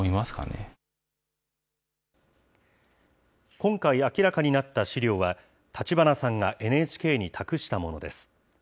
今回、明らかになった資料は、立花さんがＮＨＫに託したものです。